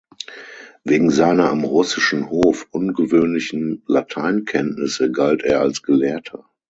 Wegen seiner am russischen Hof ungewöhnlichen Lateinkenntnisse galt er als Gelehrter.